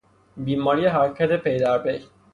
بیماری حرکت پیدرپی